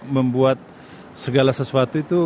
membuat segala sesuatu itu